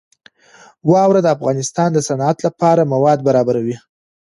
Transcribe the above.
واوره د افغانستان د صنعت لپاره مواد برابروي.